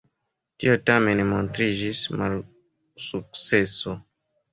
Tio tamen montriĝis malsukceso.